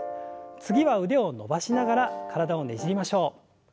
次は腕を伸ばしながら体をねじりましょう。